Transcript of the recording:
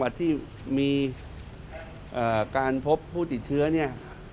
ในจังหวัดที่มีอาการพบผู้ติดเชื้อนี่